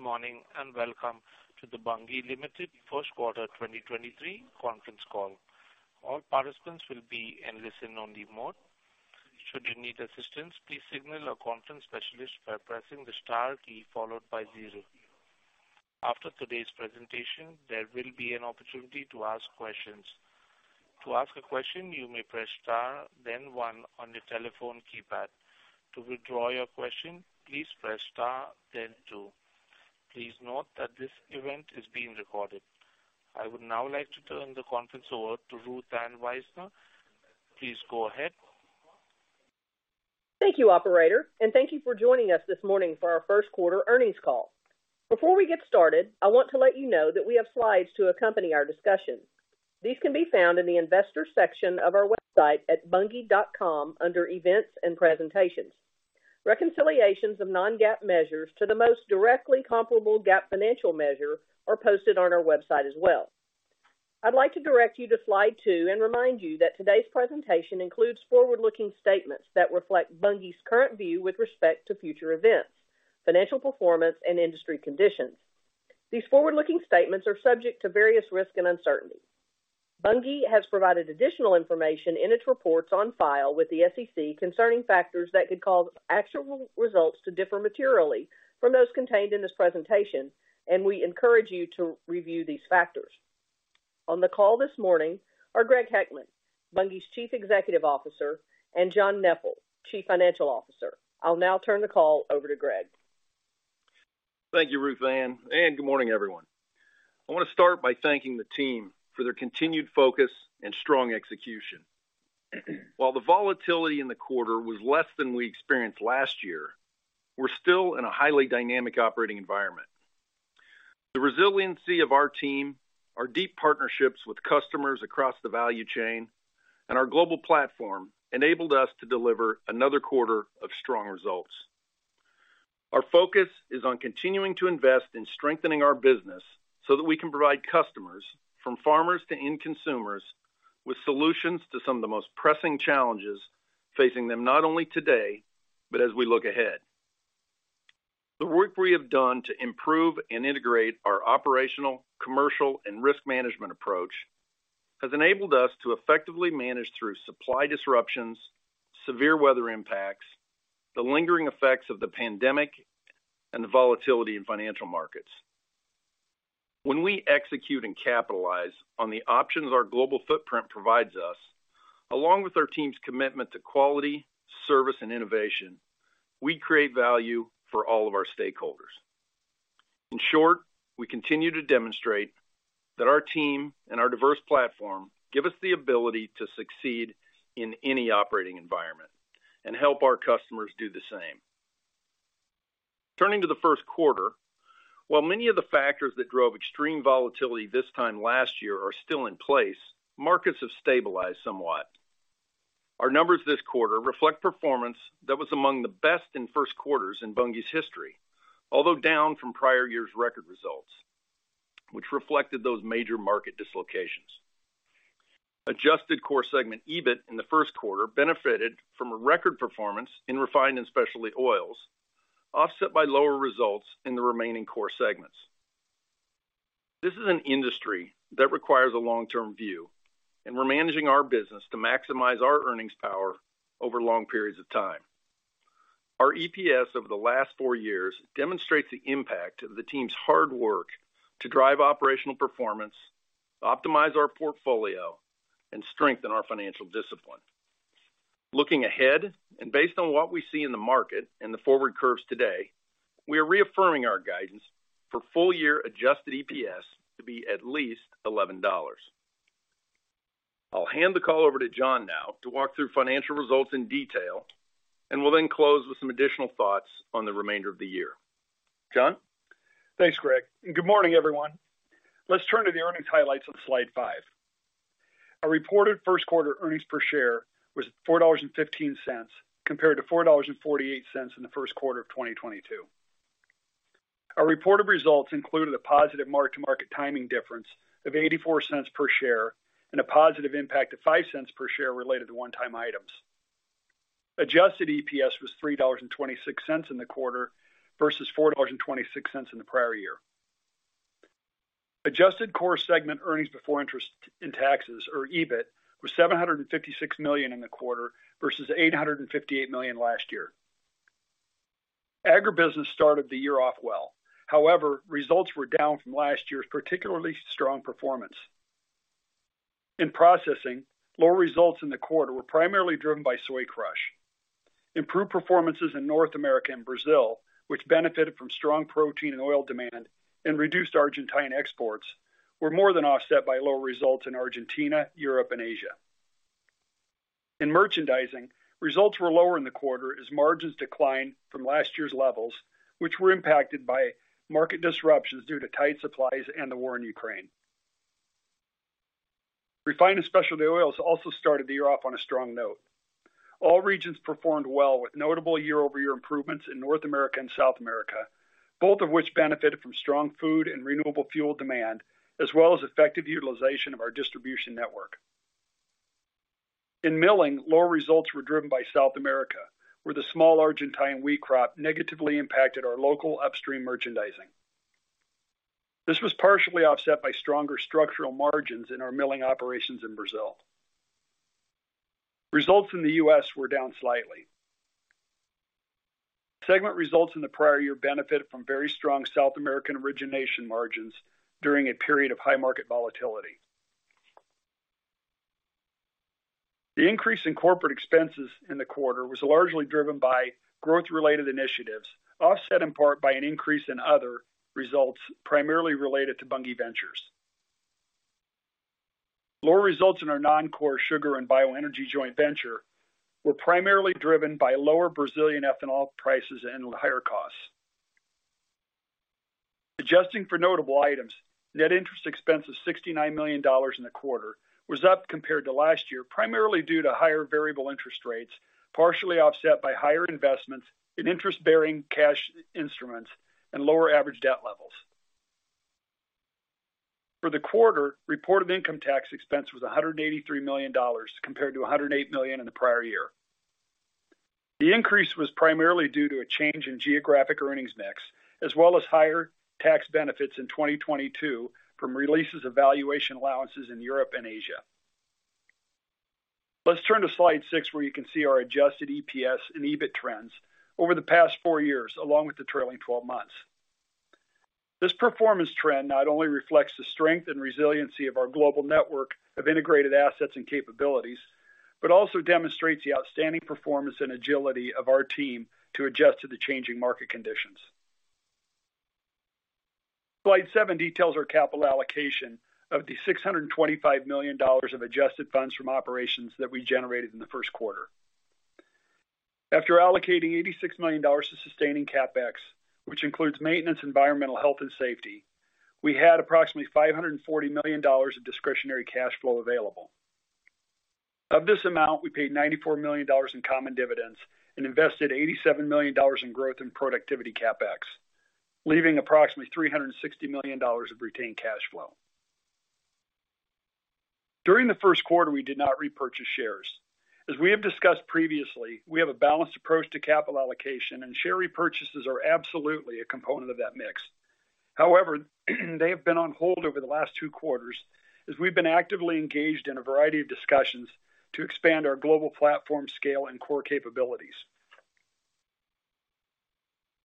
Good morning, welcome to the Bunge Limited First Quarter 2023 conference call. All participants will be in listen only mode. Should you need assistance, please signal a conference specialist by pressing the Star key followed by 0. After today's presentation, there will be an opportunity to ask questions. To ask a question, you may press Star then 1 on your telephone keypad. To withdraw your question, please press Star then 2. Please note that this event is being recorded. I would now like to turn the conference over to Ruth Ann Wisener. Please go ahead. Thank you operator, and thank you for joining us this morning for our first quarter earnings call. Before we get started, I want to let you know that we have slides to accompany our discussion. These can be found in the investor section of our website at bunge.com under Events and Presentations. Reconciliations of non-GAAP measures to the most directly comparable GAAP financial measure are posted on our website as well. I'd like to direct you to slide two and remind you that today's presentation includes forward-looking statements that reflect Bunge's current view with respect to future events, financial performance and industry conditions. These forward-looking statements are subject to various risks and uncertainties. Bunge has provided additional information in its reports on file with the SEC concerning factors that could cause actual results to differ materially from those contained in this presentation, and we encourage you to review these factors. On the call this morning are Greg Heckman, Bunge's Chief Executive Officer, and John Neppl, Chief Financial Officer. I'll now turn the call over to Greg. Thank you, Ruthanne. Good morning, everyone. I wanna start by thanking the team for their continued focus and strong execution. While the volatility in the quarter was less than we experienced last year, we're still in a highly dynamic operating environment. The resiliency of our team, our deep partnerships with customers across the value chain, and our global platform enabled us to deliver another quarter of strong results. Our focus is on continuing to invest in strengthening our business so that we can provide customers from farmers to end consumers with solutions to some of the most pressing challenges facing them, not only today, but as we look ahead. The work we have done to improve and integrate our operational, commercial, and risk management approach has enabled us to effectively manage through supply disruptions, severe weather impacts, the lingering effects of the pandemic, and the volatility in financial markets. When we execute and capitalize on the options our global footprint provides us, along with our team's commitment to quality, service, and innovation, we create value for all of our stakeholders. In short, we continue to demonstrate that our team and our diverse platform give us the ability to succeed in any operating environment and help our customers do the same. Turning to the first quarter, while many of the factors that drove extreme volatility this time last year are still in place, markets have stabilized somewhat. Our numbers this quarter reflect performance that was among the best in first quarters in Bunge's history, although down from prior year's record results, which reflected those major market dislocations. Adjusted core segment EBIT in the first quarter benefited from a record performance in refined and specialty oils, offset by lower results in the remaining core segments. This is an industry that requires a long-term view. We're managing our business to maximize our earnings power over long periods of time. Our EPS over the last four years demonstrates the impact of the team's hard work to drive operational performance, optimize our portfolio, and strengthen our financial discipline. Looking ahead, based on what we see in the market and the forward curves today, we are reaffirming our guidance for full-year adjusted EPS to be at least $11. I'll hand the call over to John now to walk through financial results in detail. We'll then close with some additional thoughts on the remainder of the year. John? Thanks, Greg, and good morning, everyone. Let's turn to the earnings highlights on slide 5. Our reported first quarter earnings per share was $4.15, compared to $4.48 in the first quarter of 2022. Our reported results included a positive mark-to-market timing difference of $0.84 per share and a positive impact of $0.05 per share related to one-time items. Adjusted EPS was $3.26 in the quarter versus $4.26 in the prior year. Adjusted core segment earnings before interest and taxes, or EBIT, was $756 million in the quarter versus $858 million last year. Agribusiness started the year off well. However, results were down from last year's particularly strong performance. In processing, lower results in the quarter were primarily driven by soy crush. Improved performances in North America and Brazil, which benefited from strong protein and oil demand and reduced Argentine exports, were more than offset by lower results in Argentina, Europe, and Asia. In merchandising, results were lower in the quarter as margins declined from last year's levels, which were impacted by market disruptions due to tight supplies and the war in Ukraine. Refined and specialty oils also started the year off on a strong note. All regions performed well with notable year-over-year improvements in North America and South America, both of which benefited from strong food and renewable fuel demand, as well as effective utilization of our distribution network. In Milling, lower results were driven by South America, where the small Argentine wheat crop negatively impacted our local upstream merchandising. This was partially offset by stronger structural margins in our milling operations in Brazil. Results in the U.S. were down slightly. Segment results in the prior year benefited from very strong South American origination margins during a period of high market volatility. The increase in corporate expenses in the quarter was largely driven by growth-related initiatives, offset in part by an increase in other results primarily related to Bunge Ventures. Lower results in our non-core sugar and bioenergy joint venture were primarily driven by lower Brazilian ethanol prices and higher costs. Adjusting for notable items, net interest expense of $69 million in the quarter was up compared to last year, primarily due to higher variable interest rates, partially offset by higher investments in interest-bearing cash instruments and lower average debt levels. For the quarter, reported income tax expense was $183 million compared to $108 million in the prior year. The increase was primarily due to a change in geographic earnings mix, as well as higher tax benefits in 2022 from releases of valuation allowances in Europe and Asia. Let's turn to Slide 6, where you can see our adjusted EPS and EBIT trends over the past 4 years, along with the trailing twelve months. This performance trend not only reflects the strength and resiliency of our global network of integrated assets and capabilities, but also demonstrates the outstanding performance and agility of our team to adjust to the changing market conditions. Slide 7 details our capital allocation of the $625 million of adjusted funds from operations that we generated in the first quarter. After allocating $86 million to sustaining CapEx, which includes maintenance, environmental, health, and safety, we had approximately $540 million of discretionary cash flow available. Of this amount, we paid $94 million in common dividends and invested $87 million in growth and productivity CapEx, leaving approximately $360 million of retained cash flow. During the first quarter, we did not repurchase shares. As we have discussed previously, we have a balanced approach to capital allocation, and share repurchases are absolutely a component of that mix. However, they have been on hold over the last two quarters as we've been actively engaged in a variety of discussions to expand our global platform scale and core capabilities.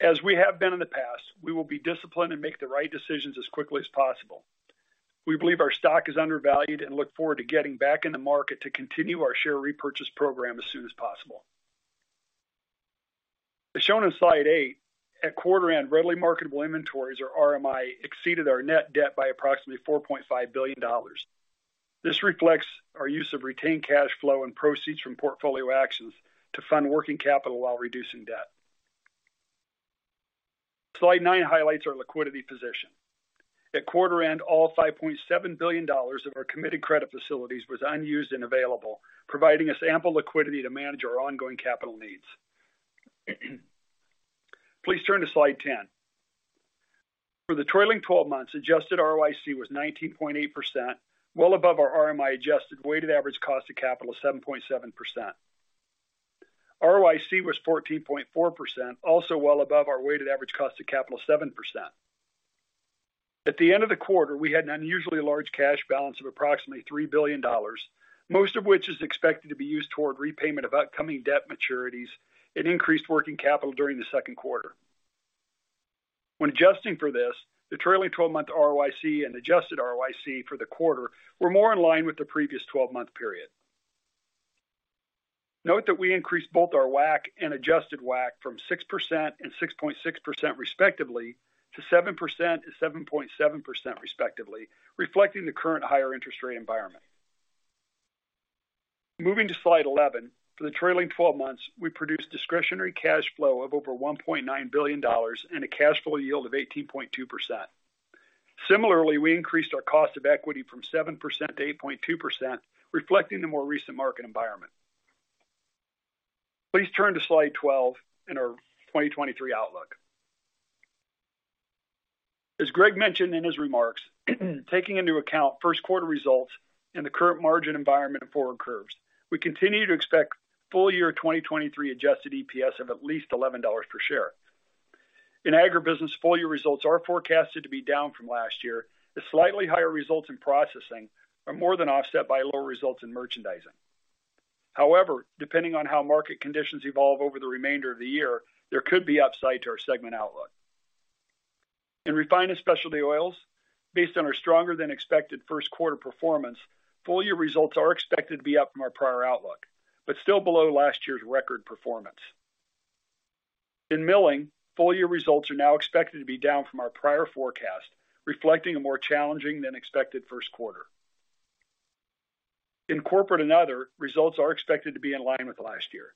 As we have been in the past, we will be disciplined and make the right decisions as quickly as possible. We believe our stock is undervalued and look forward to getting back in the market to continue our share repurchase program as soon as possible. As shown in slide 8, at quarter end, readily marketable inventories or RMI exceeded our net debt by approximately $4.5 billion. This reflects our use of retained cash flow and proceeds from portfolio actions to fund working capital while reducing debt. Slide 9 highlights our liquidity position. At quarter end, all $5.7 billion of our committed credit facilities was unused and available, providing us ample liquidity to manage our ongoing capital needs. Please turn to slide 10. For the trailing 12 months, adjusted ROIC was 19.8%, well above our RMI adjusted weighted average cost of capital of 7.7%. ROIC was 14.4%, also well above our weighted average cost of capital, 7%. At the end of the quarter, we had an unusually large cash balance of approximately $3 billion, most of which is expected to be used toward repayment of upcoming debt maturities and increased working capital during the second quarter. When adjusting for this, the trailing twelve-month ROIC and adjusted ROIC for the quarter were more in line with the previous twelve-month period. Note that we increased both our WACC and adjusted WACC from 6% and 6.6% respectively to 7% and 7.7% respectively, reflecting the current higher interest rate environment. Moving to slide 11, for the trailing twelve months, we produced discretionary cash flow of over $1.9 billion and a cash flow yield of 18.2%. Similarly, we increased our cost of equity from 7% to 8.2%, reflecting the more recent market environment. Please turn to slide 12 in our 2023 outlook. As Greg mentioned in his remarks, taking into account first quarter results and the current margin environment of forward curves, we continue to expect full year 2023 adjusted EPS of at least $11 per share. In agribusiness, full year results are forecasted to be down from last year as slightly higher results in processing are more than offset by lower results in merchandising. Depending on how market conditions evolve over the remainder of the year, there could be upside to our segment outlook. In refined and specialty oils, based on our stronger than expected first quarter performance, full year results are expected to be up from our prior outlook, but still below last year's record performance. In Milling, full year results are now expected to be down from our prior forecast, reflecting a more challenging than expected first quarter. In Corporate and Other, results are expected to be in line with last year.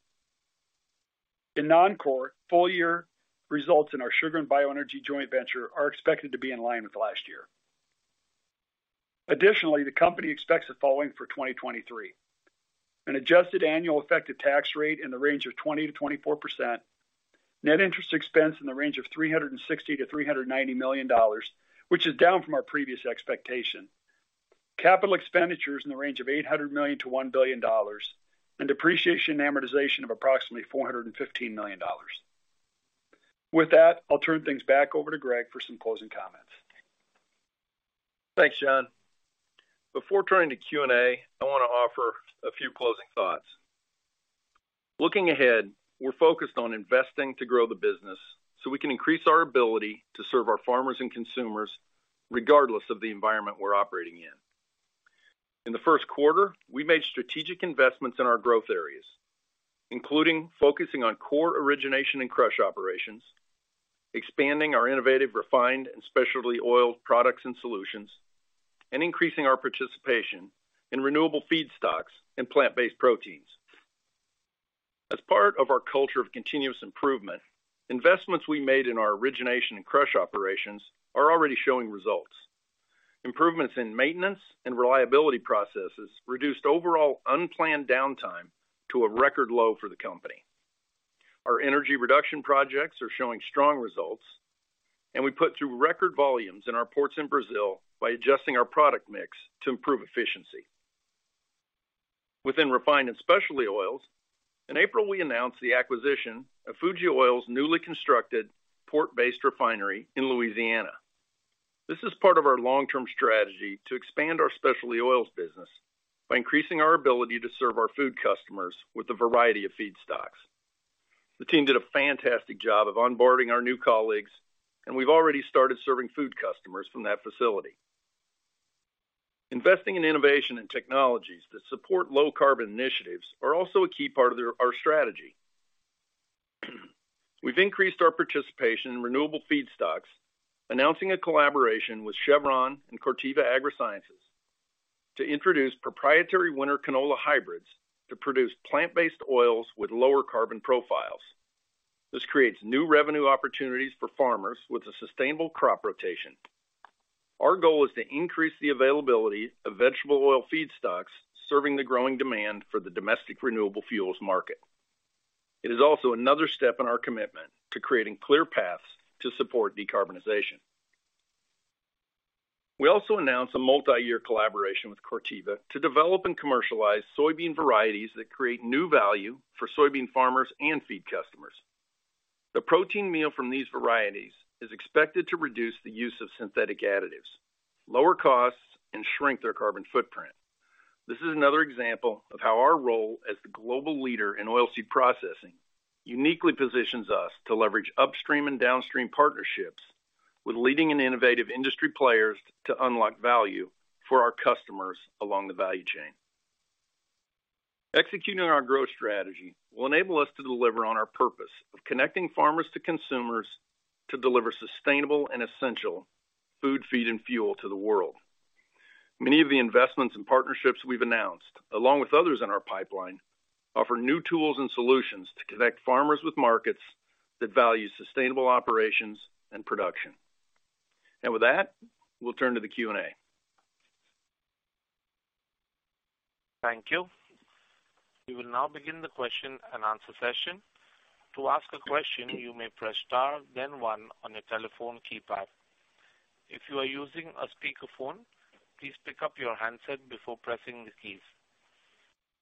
In Non-Core, full year results in our sugar and bioenergy joint venture are expected to be in line with last year. The company expects the following for 2023: an adjusted annual effective tax rate in the range of 20%-24%. Net interest expense in the range of $360 million-$390 million, which is down from our previous expectation. CapEx in the range of $800 million-$1 billion and depreciation and amortization of approximately $415 million. I'll turn things back over to Greg for some closing comments. Thanks, John. Before turning to Q&A, I want to offer a few closing thoughts. Looking ahead, we're focused on investing to grow the business so we can increase our ability to serve our farmers and consumers regardless of the environment we're operating in. In the first quarter, we made strategic investments in our growth areas, including focusing on core origination and crush operations, expanding our innovative refined and specialty oil products and solutions, and increasing our participation in renewable feedstocks and plant-based proteins. As part of our culture of continuous improvement, investments we made in our origination and crush operations are already showing results. Improvements in maintenance and reliability processes reduced overall unplanned downtime to a record low for the company. Our energy reduction projects are showing strong results. We put through record volumes in our ports in Brazil by adjusting our product mix to improve efficiency. Within refined and specialty oils, in April, we announced the acquisition of Fuji Oil's newly constructed port-based refinery in Louisiana. This is part of our long-term strategy to expand our specialty oils business by increasing our ability to serve our food customers with a variety of feedstocks. The team did a fantastic job of onboarding our new colleagues, and we've already started serving food customers from that facility. Investing in innovation and technologies that support low carbon initiatives are also a key part of our strategy. We've increased our participation in renewable feedstocks, announcing a collaboration with Chevron and Corteva Agriscience to introduce proprietary winter canola hybrids to produce plant-based oils with lower carbon profiles. This creates new revenue opportunities for farmers with a sustainable crop rotation. Our goal is to increase the availability of vegetable oil feedstocks serving the growing demand for the domestic renewable fuels market. It is also another step in our commitment to creating clear paths to support decarbonization. We also announced a multi-year collaboration with Corteva to develop and commercialize soybean varieties that create new value for soybean farmers and feed customers. The protein meal from these varieties is expected to reduce the use of synthetic additives, lower costs, and shrink their carbon footprint. This is another example of how our role as the global leader in oilseed processing uniquely positions us to leverage upstream and downstream partnerships with leading and innovative industry players to unlock value for our customers along the value chain. Executing our growth strategy will enable us to deliver on our purpose of connecting farmers to consumers to deliver sustainable and essential food, feed, and fuel to the world. Many of the investments and partnerships we've announced, along with others in our pipeline, offer new tools and solutions to connect farmers with markets that value sustainable operations and production. With that, we'll turn to the Q&A. Thank you. We will now begin the question and answer session. To ask a question, you may press star then one on your telephone keypad. If you are using a speakerphone, please pick up your handset before pressing the keys.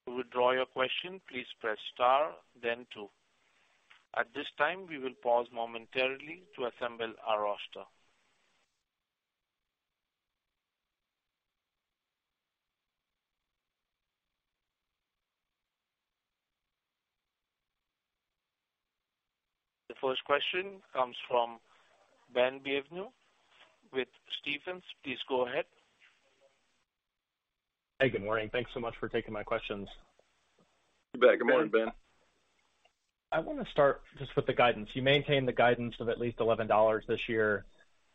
To withdraw your question, please press star then two. At this time, we will pause momentarily to assemble our roster. The first question comes from Ben Bienvenu with Stephens. Please go ahead. Hey, good morning. Thanks so much for taking my questions. You bet. Good morning, Ben. I want to start just with the guidance. You maintain the guidance of at least $11 this year.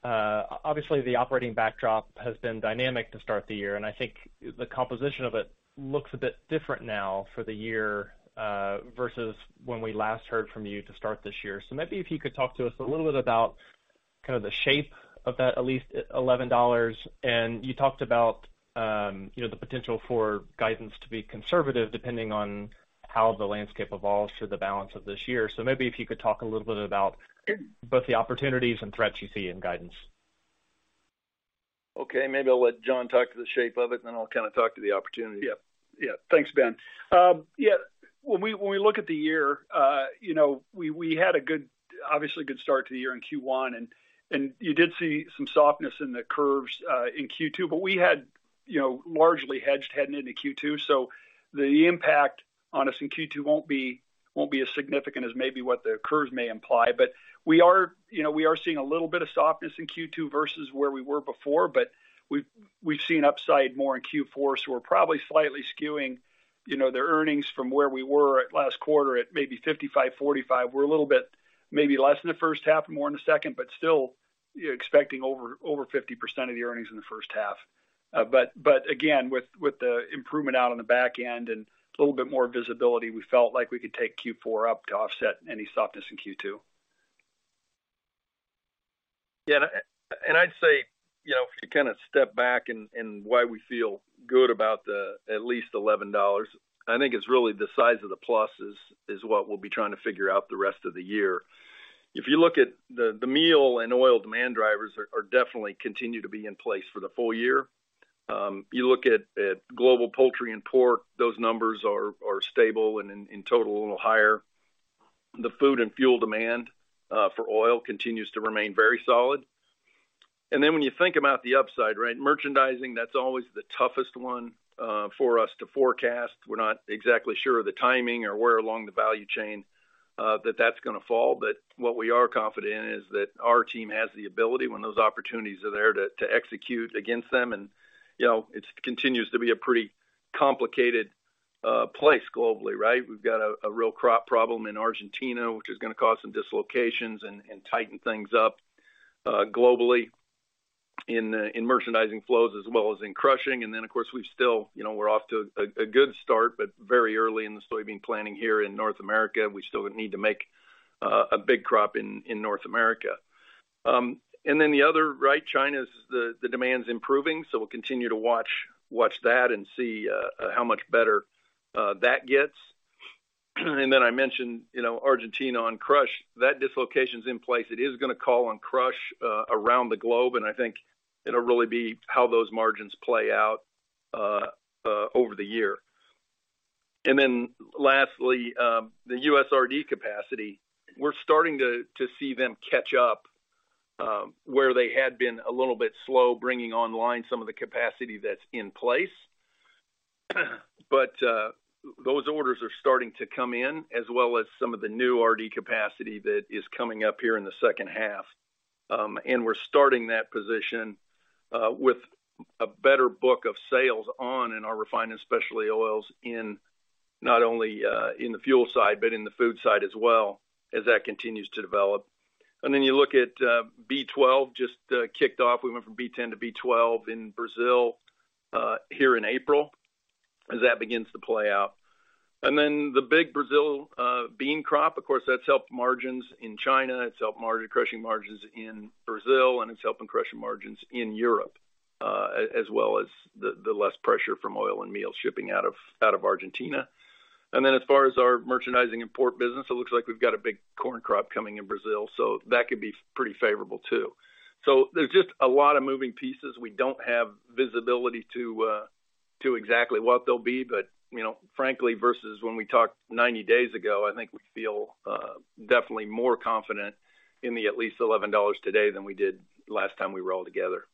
Obviously, the operating backdrop has been dynamic to start the year, and I think the composition of it looks a bit different now for the year, versus when we last heard from you to start this year. Maybe if you could talk to us a little bit about kind of the shape of that at least $11. You talked about the potential for guidance to be conservative depending on how the landscape evolves through the balance of this year. Maybe if you could talk a little bit about both the opportunities and threats you see in guidance. Maybe I'll let John talk to the shape of it, then I'll kind of talk to the opportunity. Thanks, Ben. When we, when we look at the year, you know, we had a good, obviously good start to the year in Q1, and you did see some softness in the curves in Q2, but we had, you know, largely hedged heading into Q2. The impact on us in Q2 won't be as significant as maybe what the curves may imply. We are, you know, we are seeing a little bit of softness in Q2 versus where we were before, but we've seen upside more in Q4, so we're probably slightly skewing, you know, the earnings from where we were at last quarter at maybe 55, 45. We're a little bit maybe less in the first half and more in the second, but still expecting over 50% of the earnings in the first half. Again, with the improvement out on the back end and a little bit more visibility, we felt like we could take Q4 up to offset any softness in Q2. I'd say, you know, to kind of step back and why we feel good about the at least $11, I think it's really the size of the pluses is what we'll be trying to figure out the rest of the year. You look at the meal and oil demand drivers are definitely continue to be in place for the full year. You look at global poultry and pork, those numbers are stable and in total a little higher. The food and fuel demand for oil continues to remain very solid. When you think about the upside, right? Merchandising, that's always the toughest one for us to forecast. We're not exactly sure of the timing or where along the value chain that's gonna fall. What we are confident in is that our team has the ability, when those opportunities are there, to execute against them. You know, it continues to be a pretty complicated place globally, right. We've got a real crop problem in Argentina, which is gonna cause some dislocations and tighten things up globally in merchandising flows as well as in crushing. Of course, we still, you know, we're off to a good start, but very early in the soybean planting here in North America. We still need to make a big crop in North America. The other, right, China's the demand's improving, so we'll continue to watch that and see how much better that gets. I mentioned, you know, Argentina on crush. That dislocation's in place. It is gonna call on crush, around the globe, and I think it'll really be how those margins play out over the year. Lastly, the U.S. RD capacity. We're starting to see them catch up, where they had been a little bit slow bringing online some of the capacity that's in place. Those orders are starting to come in as well as some of the new RD capacity that is coming up here in the second half. We're starting that position with a better book of sales on in our refined and specialty oils in not only in the fuel side, but in the food side as well as that continues to develop. You look at B12 just kicked off. We went from B10 to B12 in Brazil, here in April as that begins to play out. The big Brazil bean crop, of course, that's helped margins in China, it's helped crushing margins in Brazil, and it's helping crushing margins in Europe, as well as the less pressure from oil and meal shipping out of Argentina. As far as our merchandising import business, it looks like we've got a big corn crop coming in Brazil, so that could be pretty favorable too. There's just a lot of moving pieces. We don't have visibility to exactly what they'll be. You know, frankly, versus when we talked 90 days ago, I think we feel definitely more confident in the at least $11 today than we did last time we were all together.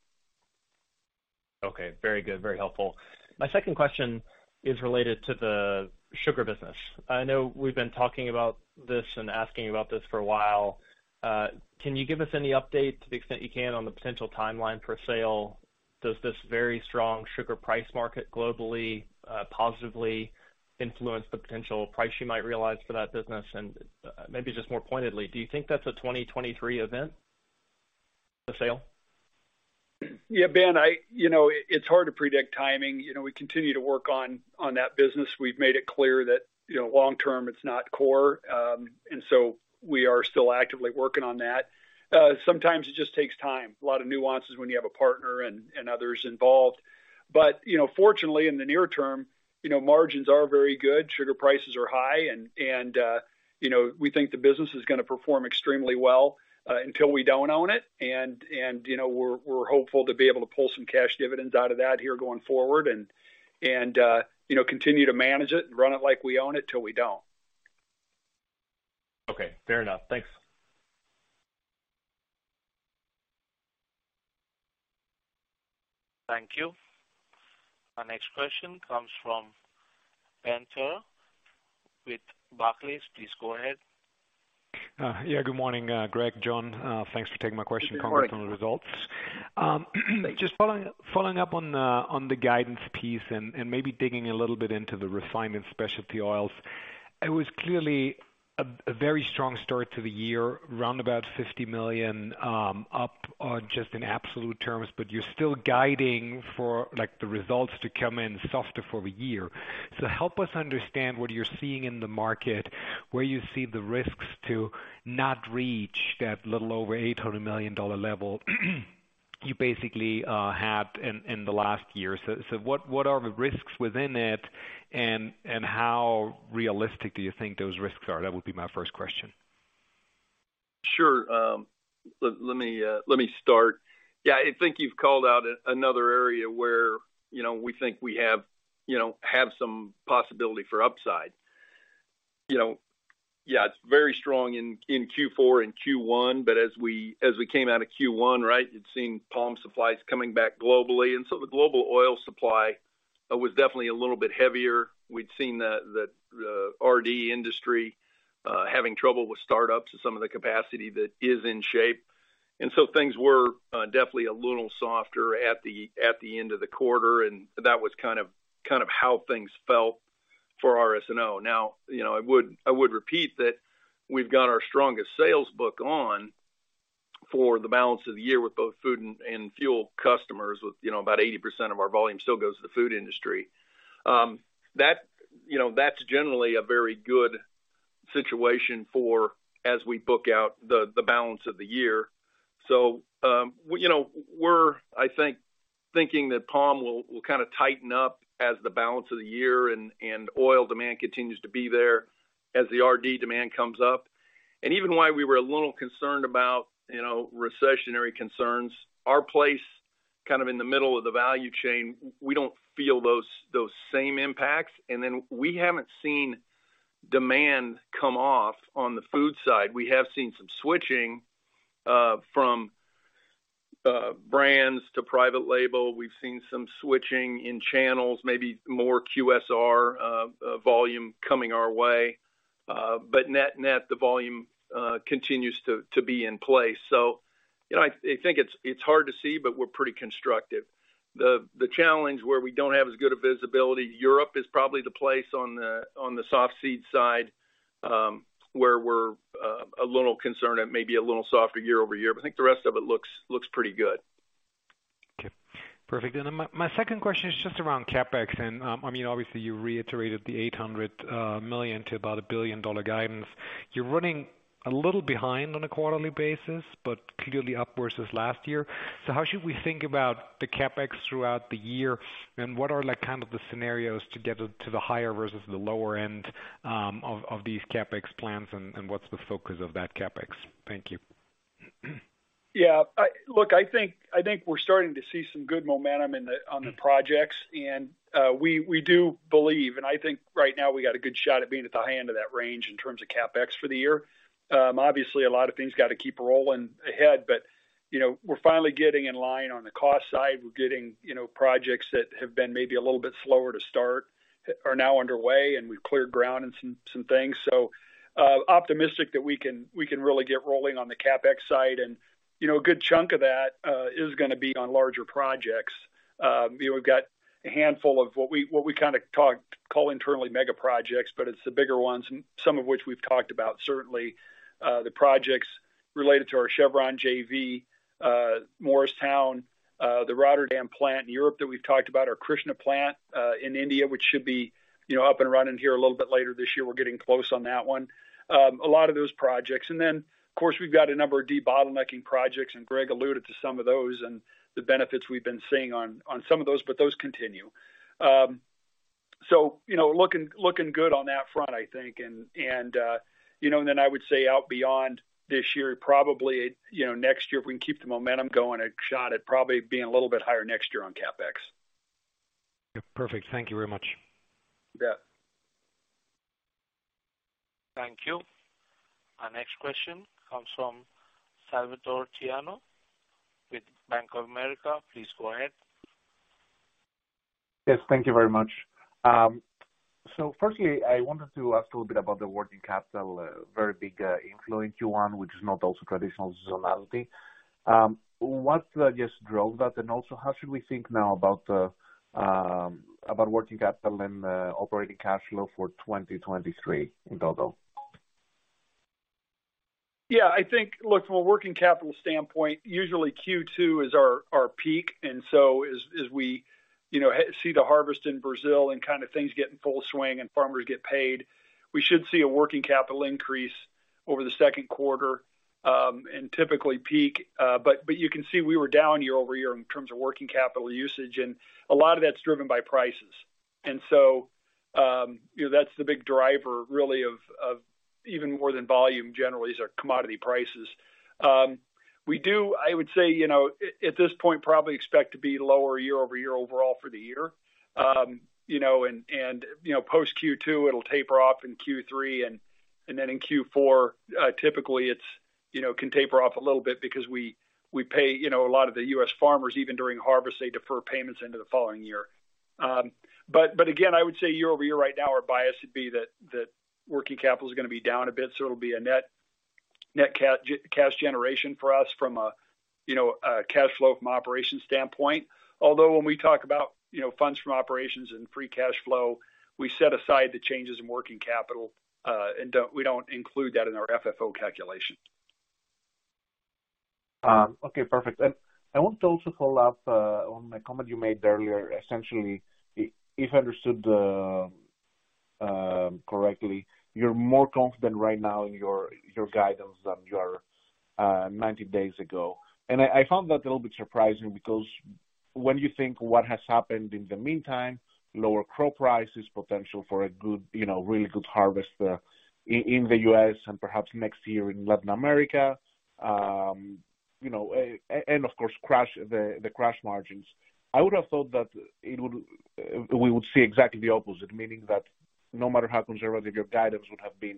Okay. Very good. Very helpful. My second question is related to the sugar business. I know we've been talking about this and asking about this for a while. Can you give us any update to the extent you can on the potential timeline for sale? Does this very strong sugar price market globally, positively influence the potential price you might realize for that business? Maybe just more pointedly, do you think that's a 2023 event, the sale? Yeah, Ben, you know, it's hard to predict timing. You know, we continue to work on that business. We've made it clear that, you know, long term it's not core. So we are still actively working on that. Sometimes it just takes time. A lot of nuances when you have a partner and others involved. You know, fortunately in the near term, you know, margins are very good, sugar prices are high, and, you know, we think the business is gonna perform extremely well until we don't own it. You know, we're hopeful to be able to pull some cash dividends out of that here going forward and, you know, continue to manage it and run it like we own it till we don't. Okay, fair enough. Thanks. Thank you. Our next question comes from Ben Theurer with Barclays. Please go ahead. Good morning, Greg, John. Thanks for taking my question and comments. Good morning.... on the results. Just following up on the guidance piece and maybe digging a little bit into the refinement specialty oils. It was clearly a very strong start to the year, around about $50 million up just in absolute terms, but you're still guiding for like the results to come in softer for the year. Help us understand what you're seeing in the market, where you see the risks to not reach that little over $800 million level you basically had in the last year. What are the risks within it and how realistic do you think those risks are? That would be my first question. Sure. Let me start. Yeah, I think you've called out another area where, you know, we think we have, you know, have some possibility for upside. You know, yeah, it's very strong in Q4 and Q1, but as we came out of Q1, right, you'd seen palm supplies coming back globally. The global oil supply was definitely a little bit heavier. We'd seen the RD industry having trouble with startups and some of the capacity that is in shape. Things were definitely a little softer at the end of the quarter, and that was kind of how things felt for RS&O. You know, I would repeat that we've got our strongest sales book on for the balance of the year with both food and fuel customers with, you know, about 80% of our volume still goes to the food industry. That, you know, that's generally a very good situation for as we book out the balance of the year. You know, we're I think thinking that palm will kind of tighten up as the balance of the year and oil demand continues to be there as the RD demand comes up. Even why we were a little concerned about, you know, recessionary concerns, our place kind of in the middle of the value chain, we don't feel those same impacts. Then we haven't seen demand come off on the food side. We have seen some switching from brands to private label. We've seen some switching in channels, maybe more QSR volume coming our way. Net-net, the volume continues to be in place. You know, I think it's hard to see, but we're pretty constructive. The challenge where we don't have as good a visibility, Europe is probably the place on the soft seed side, where we're a little concerned it may be a little softer year-over-year, but I think the rest of it looks pretty good. Okay. Perfect. My second question is just around CapEx. I mean, obviously you reiterated the $800 million to about a billion-dollar guidance. You're running a little behind on a quarterly basis, clearly upwards since last year. How should we think about the CapEx throughout the year? What are like kind of the scenarios to get it to the higher versus the lower end of these CapEx plans and what's the focus of that CapEx? Thank you. Yeah. Look, I think we're starting to see some good momentum in the. Mm-hmm. On the projects. We do believe, and I think right now we got a good shot at being at the high end of that range in terms of CapEx for the year. Obviously a lot of things gotta keep rolling ahead, but, you know, we're finally getting in line on the cost side. We're getting, you know, projects that have been maybe a little bit slower to start are now underway, and we've cleared ground in some things. Optimistic that we can really get rolling on the CapEx side. You know, a good chunk of that is gonna be on larger projects. You know, we've got a handful of what we kind of call internally mega projects, but it's the bigger ones and some of which we've talked about. Certainly, the projects related to our Chevron JV, Morristown, the Rotterdam plant in Europe that we've talked about. Our Krishna plant in India, which should be, you know, up and running here a little bit later this year. We're getting close on that one. A lot of those projects. Of course, we've got a number of debottlenecking projects, and Greg alluded to some of those and the benefits we've been seeing on some of those, but those continue. You know, looking good on that front, I think. You know, I would say out beyond this year, probably, you know, next year, if we can keep the momentum going, a shot at probably being a little bit higher next year on CapEx. Yeah. Perfect. Thank you very much. Yeah. Thank you. Our next question comes from Salvatore Tiano with Bank of America. Please go ahead. Yes, thank you very much. Firstly, I wanted to ask a little bit about the working capital, very big inflow in Q1, which is not also traditional seasonality. What just drove that, and also how should we think now about the about working capital and operating cash flow for 2023 in total? Yeah. I think. Look, from a working capital standpoint, usually Q2 is our peak. As we, you know, see the harvest in Brazil and kind of things get in full swing and farmers get paid, we should see a working capital increase over the second quarter and typically peak. But you can see we were down year-over-year in terms of working capital usage, and a lot of that's driven by prices. You know, that's the big driver really of even more than volume generally is our commodity prices. We do, I would say, you know, at this point, probably expect to be lower year-over-year overall for the year. you know, and, you know, post Q2, it'll taper off in Q3, and then in Q4, typically it's, you know, can taper off a little bit because we pay, you know, a lot of the U.S. farmers, even during harvest, they defer payments into the following year. Again, I would say year-over-year right now, our bias would be that working capital is gonna be down a bit, so it'll be a net cash generation for us from a, you know, a cash flow from operations standpoint. Although when we talk about, you know, funds from operations and free cash flow, we set aside the changes in working capital, and we don't include that in our FFO calculation. Okay. Perfect. I want to also follow up on a comment you made earlier. Essentially, if I understood correctly, you're more confident right now in your guidance than you are 90 days ago. I found that a little bit surprising because when you think what has happened in the meantime, lower crop prices, potential for a good, you know, really good harvest in the U.S. and perhaps next year in Latin America. You know, and of course, crush the crush margins. I would have thought that we would see exactly the opposite. Meaning that no matter how conservative your guidance would have been,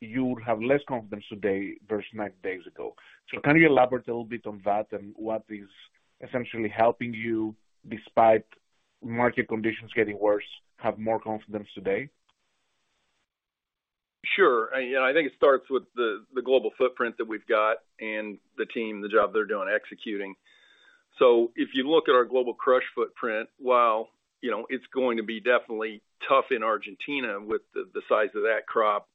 you would have less confidence today versus 90 days ago. Can you elaborate a little bit on that and what is essentially helping you, despite market conditions getting worse, have more confidence today? Sure. Yeah. I think it starts with the global footprint that we've got and the team, the job they're doing executing. If you look at our global crush footprint, while, you know, it's going to be definitely tough in Argentina with the size of that crop,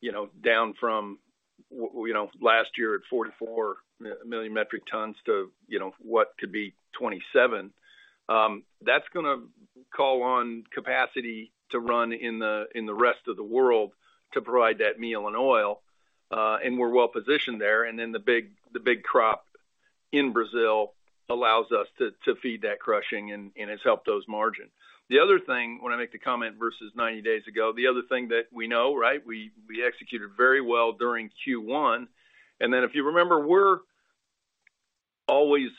you know, down from you know, last year at 44 million metric tons to, you know, what could be 27, that's gonna call on capacity to run in the rest of the world to provide that meal and oil. We're well-positioned there. Then the big crop in Brazil allows us to feed that crushing and it's helped those margins. The other thing when I make the comment versus 90 days ago, the other thing that we know, right? We executed very well during Q1. If you remember, we're always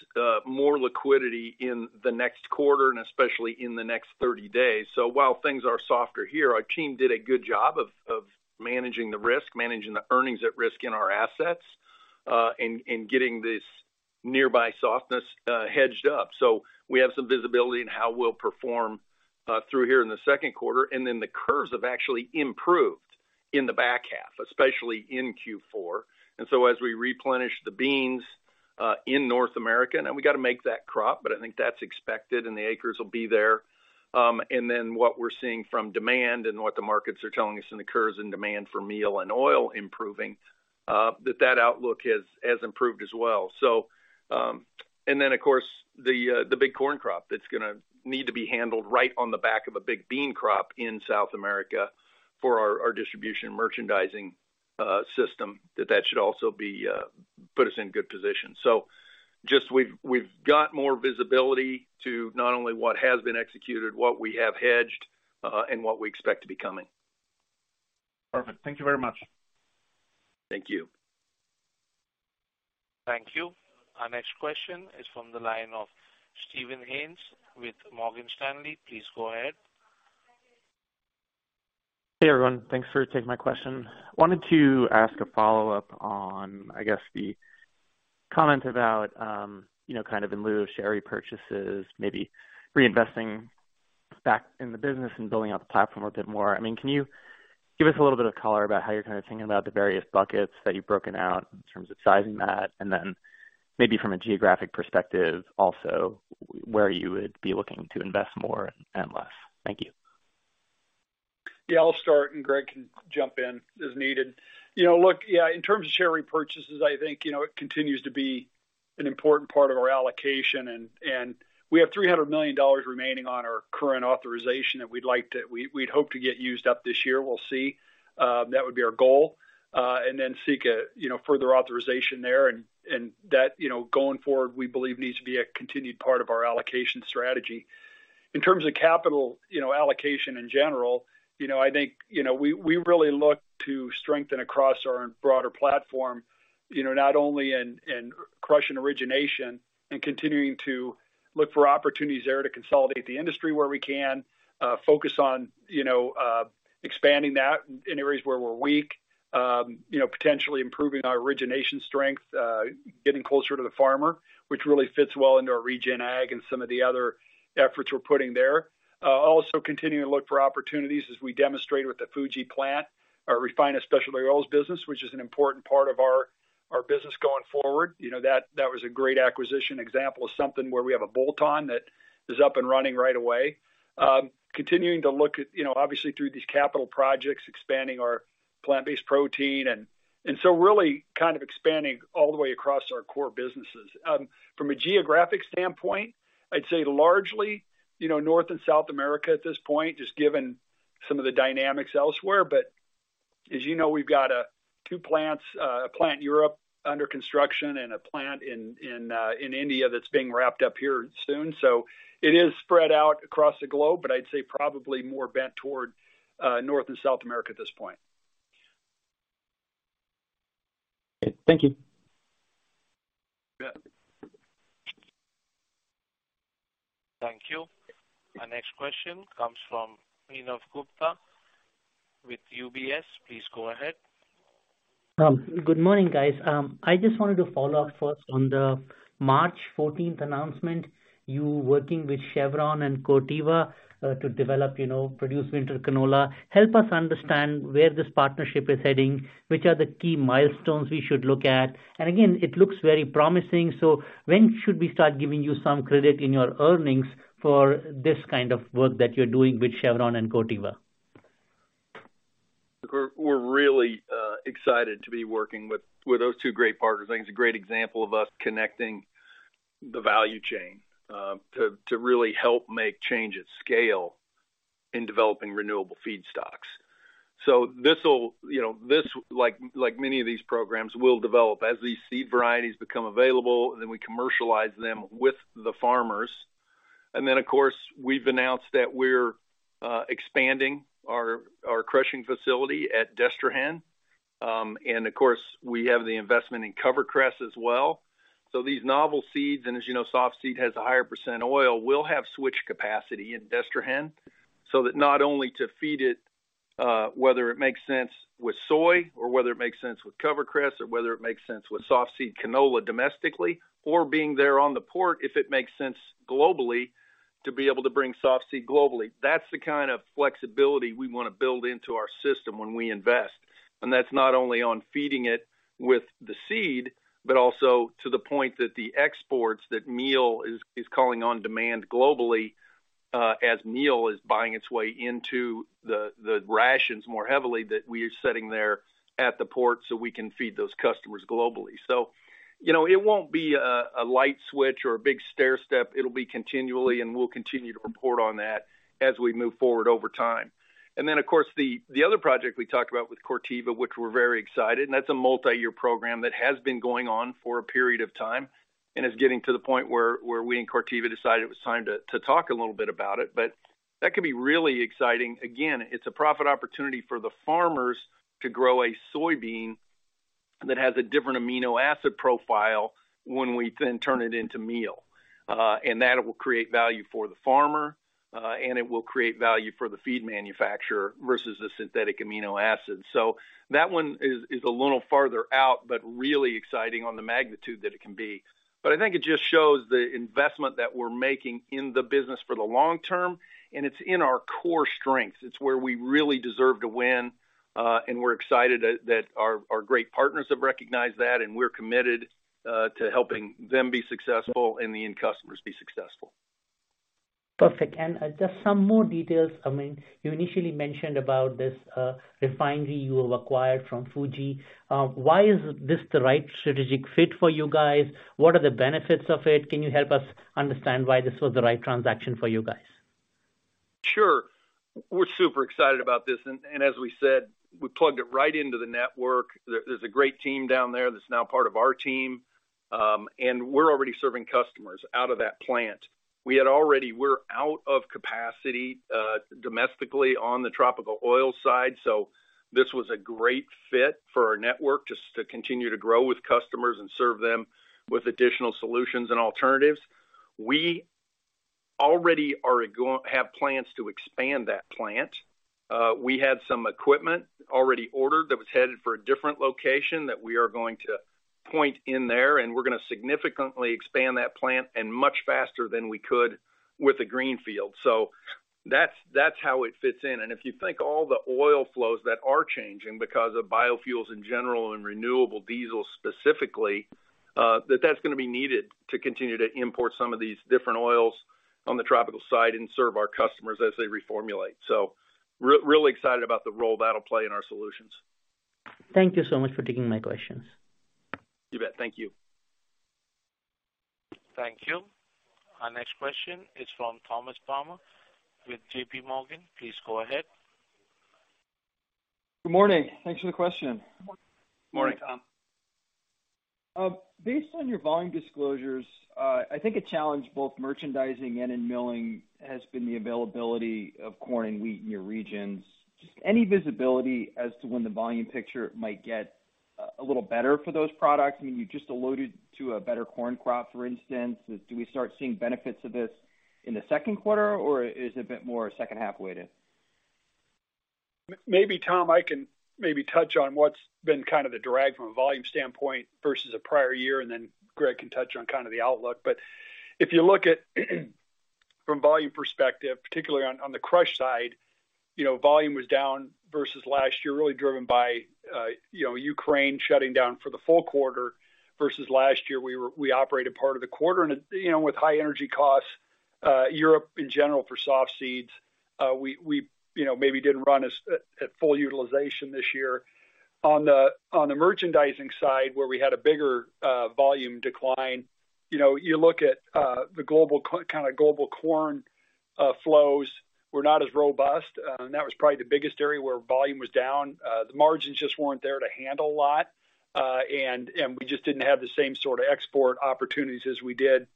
more liquidity in the next quarter and especially in the next 30 days. While things are softer here, our team did a good job of managing the risk, managing the earnings at risk in our assets, and getting this nearby softness hedged up. We have some visibility in how we'll perform through here in the second quarter. The curves have actually improved in the back half, especially in Q4. As we replenish the beans in North America, now we gotta make that crop, but I think that's expected and the acres will be there. What we're seeing from demand and what the markets are telling us in the curves and demand for meal and oil improving, that outlook has improved as well. And then of course, the big corn crop that's gonna need to be handled right on the back of a big bean crop in South America for our distribution merchandising system that should also be put us in good position. Just we've got more visibility to not only what has been executed, what we have hedged, and what we expect to be coming. Perfect. Thank you very much. Thank you. Thank you. Our next question is from the line of Stephen Haynes with Morgan Stanley. Please go ahead. Hey, everyone. Thanks for taking my question. Wanted to ask a follow-up on, I guess the comment about, you know, kind of in lieu of share repurchases, maybe reinvesting back in the business and building out the platform a bit more. Can you give us a little bit of color about how you're kind of thinking about the various buckets that you've broken out in terms of sizing that? Maybe from a geographic perspective also, where you would be looking to invest more and less? Thank you. Yeah, I'll start and Greg can jump in as needed. You know, look, yeah, in terms of share repurchases, I think, you know, it continues to be an important part of our allocation. We have $300 million remaining on our current authorization that we'd hope to get used up this year. We'll see. That would be our goal. Then seek a, you know, further authorization there. That, you know, going forward, we believe needs to be a continued part of our allocation strategy. In terms of capital, you know, allocation in general, you know, I think, you know, we really look to strengthen across our broader platform. You know, not only in crush and origination and continuing to look for opportunities there to consolidate the industry where we can. Focus on, you know, expanding that in areas where we're weak. You know, potentially improving our origination strength, getting closer to the farmer, which really fits well into our regen ag and some of the other efforts we're putting there. Also continuing to look for opportunities as we demonstrate with the Fuji plant, our refined and specialty oils business, which is an important part of our business going forward. You know, that was a great acquisition example of something where we have a bolt on that is up and running right away. Continuing to look at, you know, obviously through these capital projects, expanding our plant-based protein and so really kind of expanding all the way across our core businesses. From a geographic standpoint, I'd say largely, you know, North and South America at this point, just given some of the dynamics elsewhere. As you know, we've got two plants, a plant in Europe under construction and a plant in India that's being wrapped up here soon. It is spread out across the globe, but I'd say probably more bent toward North and South America at this point. Thank you. Yeah. Thank you. Our next question comes from Manav Gupta with UBS. Please go ahead. Good morning, guys. I just wanted to follow up first on the March 14th announcement. You working with Chevron and Corteva, to develop, you know, produce winter canola. Help us understand where this partnership is heading, which are the key milestones we should look at. It looks very promising. When should we start giving you some credit in your earnings for this kind of work that you're doing with Chevron and Corteva? Look, we're really excited to be working with those two great partners. I think it's a great example of us connecting the value chain to really help make change at scale in developing renewable feedstocks. This will, you know, this, like many of these programs, will develop as these seed varieties become available, and then we commercialize them with the farmers. Of course, we've announced that we're expanding our crushing facility at Destrehan. Of course, we have the investment in CoverCress as well. These novel seeds, and as you know, soft seed has a higher percent oil, will have switch capacity in Destrehan, so that not only to feed it, whether it makes sense with soy or whether it makes sense with CoverCress or whether it makes sense with soft seed canola domestically or being there on the port if it makes sense globally to be able to bring soft seed globally. That's the kind of flexibility we wanna build into our system when we invest. That's not only on feeding it with the seed, but also to the point that the exports that meal is calling on demand globally, as meal is buying its way into the rations more heavily that we are setting there at the port so we can feed those customers globally. You know, it won't be a light switch or a big stairstep. It'll be continually, and we'll continue to report on that as we move forward over time. Of course, the other project we talked about with Corteva, which we're very excited, and that's a multi-year program that has been going on for a period of time, and is getting to the point where we and Corteva decided it was time to talk a little bit about it. That could be really exciting. Again, it's a profit opportunity for the farmers to grow a soybean that has a different amino acid profile when we then turn it into meal. And that will create value for the farmer, and it will create value for the feed manufacturer versus the synthetic amino acids. That one is a little farther out, but really exciting on the magnitude that it can be. I think it just shows the investment that we're making in the business for the long term, and it's in our core strengths. It's where we really deserve to win, and we're excited that our great partners have recognized that, and we're committed to helping them be successful and the end customers be successful. Perfect. Just some more details. I mean, you initially mentioned about this refinery you have acquired from Fuji. Why is this the right strategic fit for you guys? What are the benefits of it? Can you help us understand why this was the right transaction for you guys? Sure. We're super excited about this, as we said, we plugged it right into the network. There's a great team down there that's now part of our team. We're already serving customers out of that plant. We're out of capacity domestically on the tropical oil side, this was a great fit for our network just to continue to grow with customers and serve them with additional solutions and alternatives. We already have plans to expand that plant. We had some equipment already ordered that was headed for a different location that we are going to point in there, and we're gonna significantly expand that plant and much faster than we could with a greenfield. That's how it fits in. If you think all the oil flows that are changing because of biofuels in general and renewable diesel specifically, that's gonna be needed to continue to import some of these different oils on the tropical side and serve our customers as they reformulate. Real excited about the role that'll play in our solutions. Thank you so much for taking my questions. You bet. Thank you. Thank you. Our next question is from Thomas Palmer with JP Morgan. Please go ahead. Good morning. Thanks for the question. Morning, Tom. Based on your volume disclosures, I think a challenge both merchandising and in milling has been the availability of corn and wheat in your regions. Just any visibility as to when the volume picture might get a little better for those products? You just alluded to a better corn crop, for instance. Do we start seeing benefits of this in the second quarter, or is it a bit more second half weighted? Maybe Thomas Palmer, I can maybe touch on what's been kind of the drag from a volume standpoint versus a prior year, and then Greg Heckman can touch on kind of the outlook. If you look at, from volume perspective, particularly on the crush side, you know, volume was down versus last year, really driven by, you know, Ukraine shutting down for the full quarter versus last year, we operated part of the quarter. You know, with high energy costs, Europe in general for soft seeds, we, you know, maybe didn't run at full utilization this year. On the merchandising side, where we had a bigger volume decline, you know, you look at the kinda global corn flows were not as robust. That was probably the biggest area where volume was down. The margins just weren't there to handle a lot. We just didn't have the same sort of export opportunities as we did